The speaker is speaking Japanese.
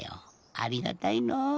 ありがたいのう。